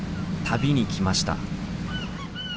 旅に来ました。